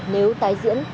nếu tái diễn